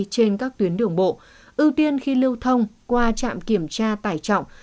trên các tuyến đường bộ ưu tiên khi lưu thông qua trạm kiểm tra tải trọng